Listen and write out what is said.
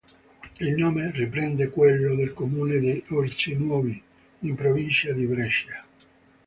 Il nome riprende quello del comune di Orzinuovi, in Provincia di Brescia.